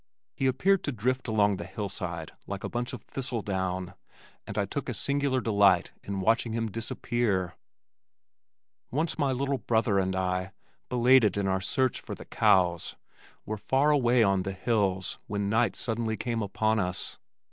He appeared to drift along the hillside like a bunch of thistle down, and I took a singular delight in watching him disappear. Once my little brother and I, belated in our search for the cows, were far away on the hills when night suddenly came upon us.